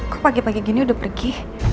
kok pagi pagi gini udah pergi